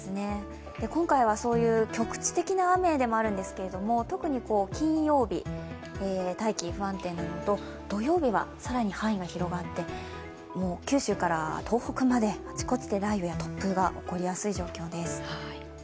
今回はそういう局地的な雨でもあるんですけれども、特に金曜日、大気、不安定なのと土曜日は更に範囲が広がって九州から東北まで、あちこちで雷雨や突風が起こりやすい状況です。